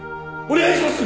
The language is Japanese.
お願いします！